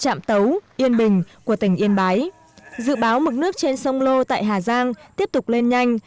trong ba đến sáu giờ tới khu vực các tỉnh lai châu yên bình của tỉnh yên bái dự báo mực nước trên sông lô tại hà giang tiếp tục lên nhanh